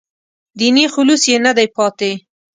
دیني خلوص یې نه دی پاتې.